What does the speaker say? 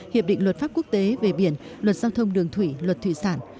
hiệp định luật pháp quốc tế về biển luật giao thông đường thủy luật thủy sản